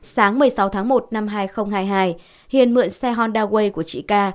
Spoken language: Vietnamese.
sáng một mươi sáu tháng một năm hai nghìn hai mươi hai hiền mượn xe honda way của chị ca